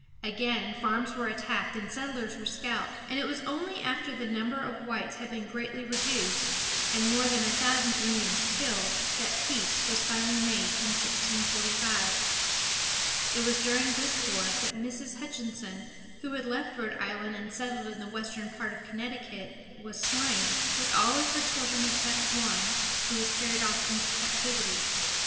Again farms were attacked and settlers were scalped, and it was only after the number of whites had been greatly reduced, and more than a thousand Indians killed, that peace was finally made, in 1645. It was during this war that Mrs. Hutchinson, who had left Rhode Island and settled in the western part of Connecticut, was slain, with all her children except one, who was carried off into captivity.